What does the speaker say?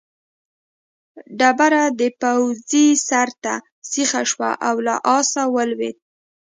ډبره د پوځي سر ته سیخه شوه او له آسه ولوېد.